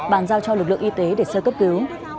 bàn giao cho lực lượng y tế để sơ cấp cứu